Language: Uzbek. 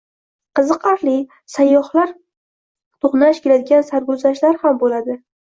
Qiziqarli, sayyohlar toʻqnash keladigan sarguzashtlar ham boʻldi.